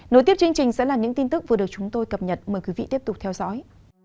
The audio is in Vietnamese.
nối tiếp chương trình sẽ là những tin tức vừa được chúng tôi cập nhật mời quý vị tiếp tục theo dõi